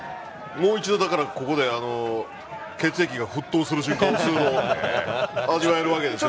もう一度、ここで血液が沸騰する瞬間を味わえるわけですね。